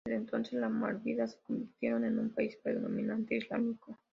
Desde entonces, las Maldivas se convirtieron en un país predominantemente islámico.